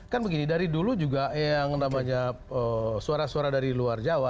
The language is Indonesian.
kan begini dari dulu juga yang namanya suara suara dari luar jawa